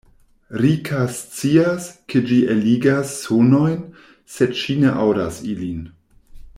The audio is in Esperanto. Rika scias, ke ĝi eligas sonojn, sed ŝi ne aŭdas ilin.